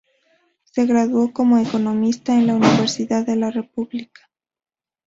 Se graduó como economista en la Universidad de la República.